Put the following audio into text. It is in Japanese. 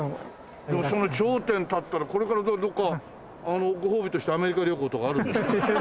でもその頂点立ったらこれからどこかご褒美としてアメリカ旅行とかあるんですか？